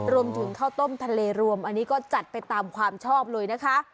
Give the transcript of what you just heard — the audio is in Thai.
รวมถึงข้าวต้มทะเลรวมอันนี้ก็จัดไปตามความชอบเลยนะคะ